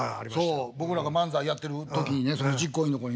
僕らが漫才やってる時にねその実行委員の子にね